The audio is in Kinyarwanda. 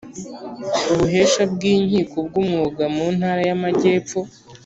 ubuhesha bw inkiko bw umwuga mu ntara y amajyepfo